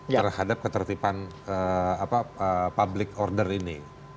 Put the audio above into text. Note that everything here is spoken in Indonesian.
terhadap ketertiban public order ini